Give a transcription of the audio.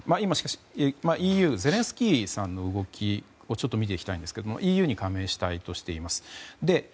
しかし、ＥＵゼレンスキーさんの動きを見ていきたいんですがＥＵに加盟したいとしています。